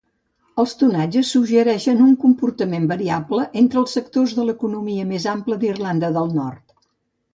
Els tonatges suggereixen un comportament variable entre els sectors de l'economia més ampla d'Irlanda del Nord.